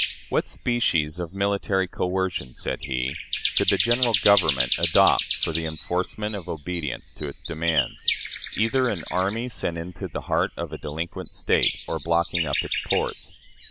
"What species of military coercion," said he, "could the General Government adopt for the enforcement of obedience to its demands? Either an army sent into the heart of a delinquent State, or blocking up its ports.